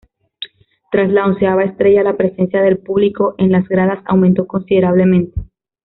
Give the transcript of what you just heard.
Tras la onceava estrella la presencia del público en las gradas aumentó considerablemente.